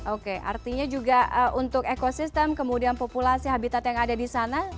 oke artinya juga untuk ekosistem kemudian populasi habitat yang ada di sana